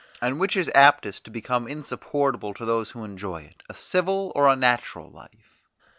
And which is aptest to become insupportable to those who enjoy it, a civil or a natural life?